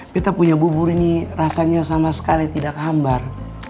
kita punya bubur ini rasanya sama sekali tidak hambar